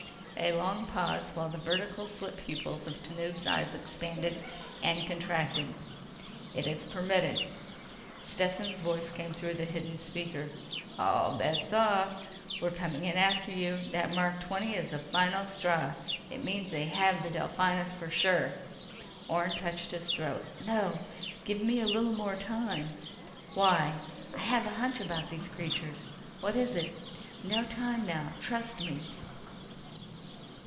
A long pause while the vertical slit pupils of Tanub's eyes expanded and contracted. "It is permitted." Stetson's voice came through the hidden speaker: "All bets off. We're coming in after you. That Mark XX is the final straw. It means they have the Delphinus for sure!" Orne touched his throat. "No! Give me a little more time!" "Why?" "I have a hunch about these creatures." "What is it?" _"No time now. Trust me."